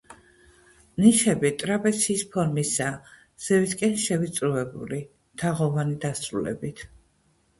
ნიშები ტრაპეციის ფორმისაა, ზევითკენ შევიწროებული, თაღოვანი დასრულებით.